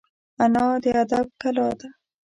انا د ادب کلا ده